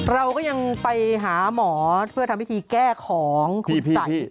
เราก็ยังไปหาหมอเพื่อทำพิธีแก้ของคุณใส่